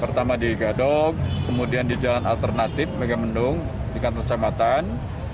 pertama di gadok kemudian di jalan alternatif megamendung di kantor camatan